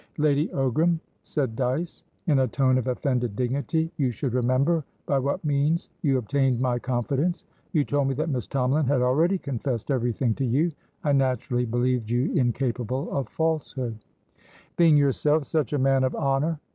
"Lady Ogram," said Dyce, in a tone of offended dignity, "you should remember by what means you obtained my confidence. You told me that Miss Tomalin had already confessed everything to you. I naturally believed you incapable of falsehood" "Being yourself such a man of honour!"